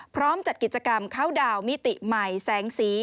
พร้อมจัดกิจกรรมเข้าดาวนมิติใหม่แสงสี